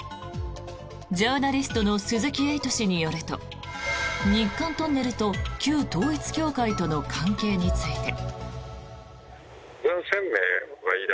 ジャーナリストの鈴木エイト氏によると日韓トンネルと旧統一教会との関係について。